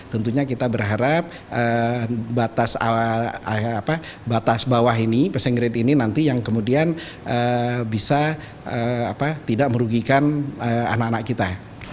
tentunya kita berharap batas bawah ini passing grade ini nanti yang kemudian bisa tidak merugikan anak anak kita